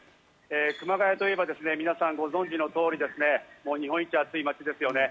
熊谷といえば皆さんご存知の通りですね、日本一暑い街ですよね。